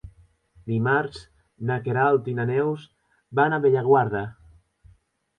Dimarts na Queralt i na Neus van a Bellaguarda.